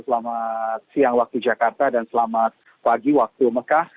selamat siang waktu jakarta dan selamat pagi waktu mekah